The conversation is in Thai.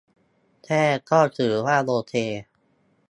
แค่ก็ถือว่าโอเค